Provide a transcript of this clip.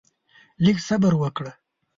لږ صبر وکړه؛